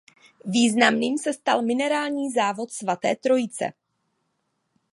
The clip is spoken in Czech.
Významným se stal minerální závod Svaté Trojice.